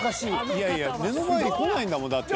［いやいや目の前に来ないんだもんだって］